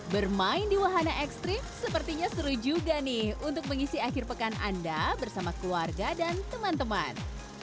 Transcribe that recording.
bermain di wahana ekstrim sepertinya seru juga nih untuk mengisi akhir pekan anda bersama keluarga dan teman teman